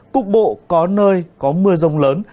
cục bộ có nơi có mưa rông lớn